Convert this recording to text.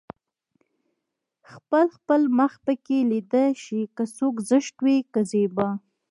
خپل خپل مخ پکې ليده شي که څوک زشت وي که زيبا